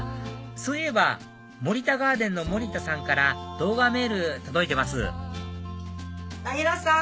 そういえば森田ガーデンの森田さんから動画メール届いてますなぎらさん